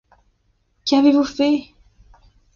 Et qu'avez-vous fait ?